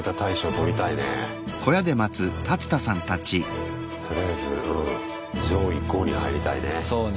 とりあえずうん上位５に入りたいね。